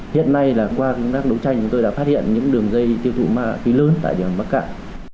hiện nay qua các đấu tranh tôi đã phát hiện những đường dây tiêu thụ ma túy lớn tại địa bàn bắc cạn